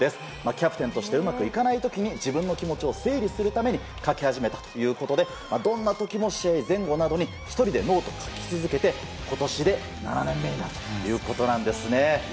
キャプテンとしてうまくいかない時に自分の気持ちを整理するために書き始めたということでどんな時も試合前後などに１人でノートを書き続けて今年で７年目になるということなんです。